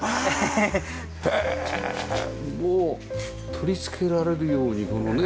取り付けられるようにこのね。